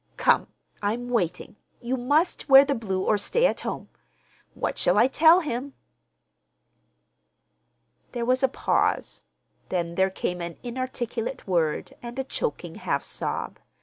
Come, I'm waiting. You must wear the blue or stay at home. What shall I tell him?" There was a pause, then there came an inarticulate word and a choking half sob.